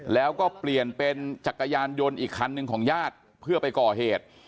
แล้วก็เปลี่ยนเป็นจักรยานยนต์อีกคันหนึ่งของญาติเพื่อไปก่อเหตุ